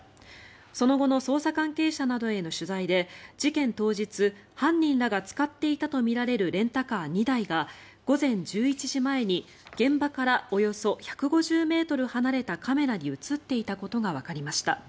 その後の捜査関係者などへの取材で、事件当日犯人らが使っていたとみられるレンタカー２台が午前１１時前に、現場からおよそ１５０ｍ離れたカメラに映っていたことがわかりました。